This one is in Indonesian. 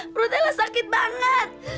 perutnya ella sakit banget